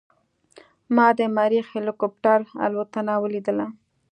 ما د مریخ هلیکوپټر الوتنه ولیدله.